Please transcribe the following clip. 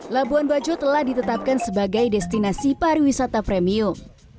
labuan bajo telah ditetapkan sebagai destinasi pariwisata premium